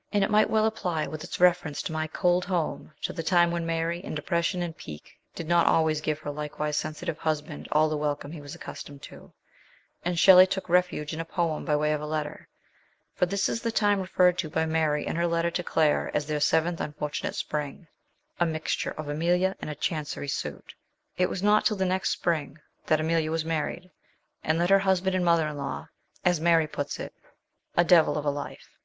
... and it might well apply, with its reference to " my cold home," to the time when Mary, in depression and pique, did not always give her likewise sensitive husband all the welcome he was accustomed to, and Shelley took refuge in a poem by way of letter ; for this is the time referred to by Mary in her letter to Claire as their seventh unfortunate spring a mixture GODWIN AND "VALPERGA." 149 of Emilia and a Chancery suit ! It was not till the next spring that Emilia was married, and led her husband and mother in law, as Mary puts it, " a devil of a life."